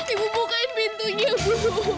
ibu bukain pintunya bu